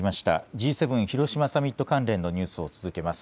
Ｇ７広島サミット関連のニュースを続けます。